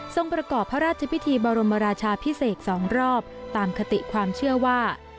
ประกอบพระราชพิธีบรมราชาพิเศษ๒รอบตามคติความเชื่อว่า